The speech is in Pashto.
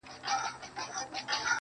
چي ته بېلېږې له خپل كوره څخه.